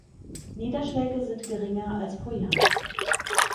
Niederschläge sind geringer als pro Jahr.